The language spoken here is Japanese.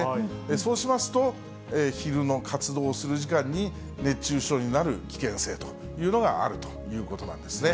そうしますと、昼の活動する時間に熱中症になる危険性というのがあるということなんですね。